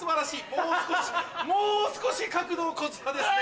もう少しもう少し角度をこちらですね。